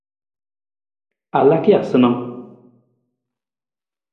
A laka ja sanang ?